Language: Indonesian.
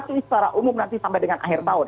itu secara umum nanti sampai dengan akhir tahun